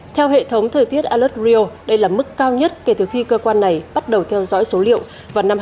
theo hệ thống thời tiết alert rio đây là mức cao nhất kể từ khi cơ quan này bắt đầu theo dõi số liệu vào năm hai nghìn một mươi